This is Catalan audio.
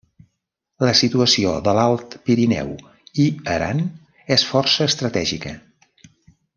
La situació de l'Alt Pirineu i Aran és força estratègica.